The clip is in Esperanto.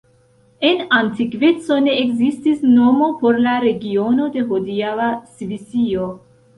En antikveco ne ekzistis nomo por la regiono de hodiaŭa Svisio.